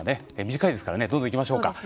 短いですからどんどんいきましょう